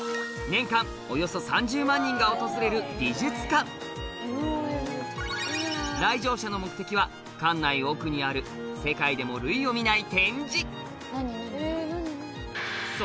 年間およそ３０万人が訪れる美術館来場者の目的は館内奥にあるすごい！